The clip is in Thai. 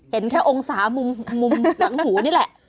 เห็นแค่องศามุมหลังหูนี่แหละ